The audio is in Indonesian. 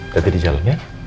ya tetap di jalan ya